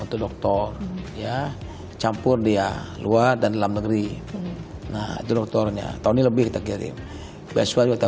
untuk dokter ya campur dia luar dan dalam negeri nah jokturnya tony lebih terkirim besok kita